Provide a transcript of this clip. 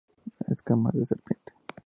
Escamas de serpiente